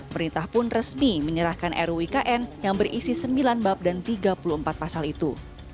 perintah pun resmi menyerahkan ruikn yang berisi sembilan bab dan tiga puluh empat pasal itu